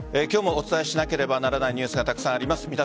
今日もお伝えしなければならないニュースがたくさんあります。